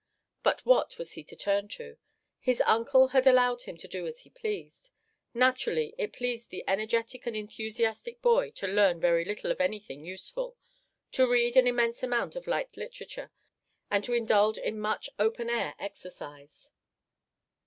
But what was he to turn to? His uncle had allowed him to do as he pleased. Naturally it pleased the energetic and enthusiastic boy to learn very little of anything useful, to read an immense amount of light literature, and to indulge in much open air exercise.